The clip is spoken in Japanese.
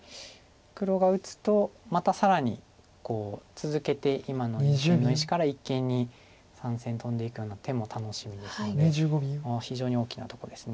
黒が打つとまた更に続けて今の実戦の石から一間に３線トンでいくような手も楽しみですので非常に大きなとこです